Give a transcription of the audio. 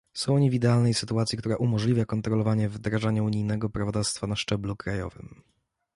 są oni w idealnej sytuacji, która umożliwia kontrolowanie wdrażania unijnego prawodawstwa na szczeblu krajowym